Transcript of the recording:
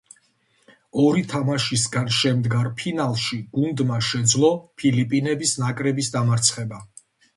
ორი თამაშისგან შემდგარ ფინალში გუნდმა შეძლო ფილიპინების ნაკრების დამარცხება.